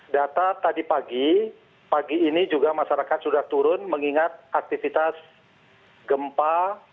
data tadi pagi pagi ini juga masyarakat sudah turun mengingat aktivitas gempa